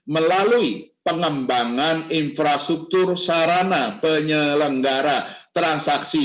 melalui pengembangan infrastruktur sarana penyelenggara transaksi